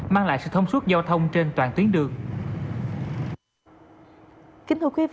mang lại sự thông suốt giao thông trên toàn tuyến đường